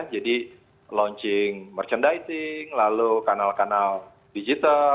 jadi launching merchandising lalu kanal kanal digital